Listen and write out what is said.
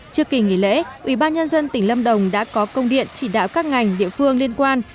trước kỳ nghỉ lễ ubnd tỉnh lâm đồng đã có công điện chỉ đạo các ngành địa phương liên quan